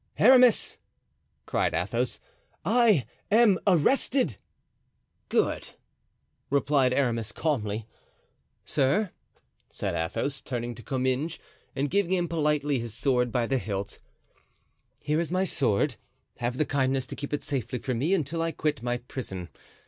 "Aramis," cried Athos, "I am arrested." "Good," replied Aramis, calmly. "Sir," said Athos, turning to Comminges and giving him politely his sword by the hilt, "here is my sword; have the kindness to keep it safely for me until I quit my prison.